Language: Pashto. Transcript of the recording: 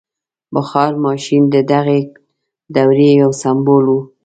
• بخار ماشین د دغې دورې یو سمبول و.